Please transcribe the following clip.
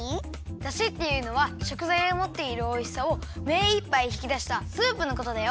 だしっていうのはしょくざいがもっているおいしさをめいっぱいひきだしたスープのことだよ。